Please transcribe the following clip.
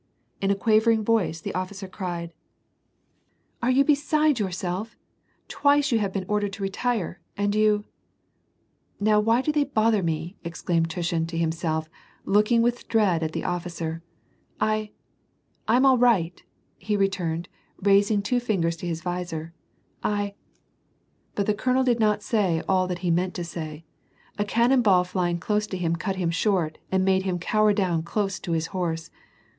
In a quavering voice, the offi cer cried, —" Are you beside yourself ? Twice you have been ordered to retire, and you "—" Now why do they bother me ?" exclaimed Tushin to him self, looking with dread at the officer. "I — I'm all right," he returned, raising two fingers to his visor. " I ''— But the colonel did not say all that he meant to say. A caiiDon ball %'ing close to him cut him short, and made him cower down close to his horse.